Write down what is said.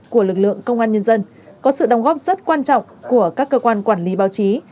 của lực lượng công an nhân dân có sự đóng góp rất quan trọng của các cơ quan quản lý báo chí